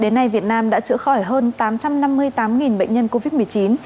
đến nay việt nam đã chữa khỏi hơn tám trăm năm mươi tám bệnh nhân